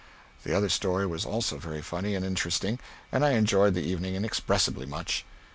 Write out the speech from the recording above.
The other story was also very funny and interesting and I enjoyed the evening inexpressibly much.